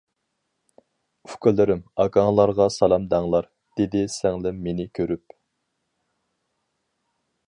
-ئۇكىلىرىم، ئاكاڭلارغا سالام دەڭلار، -دېدى سىڭلىم مېنى كۆرۈپ.